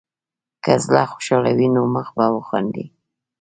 که زړه خوشحال وي، نو مخ به وخاندي.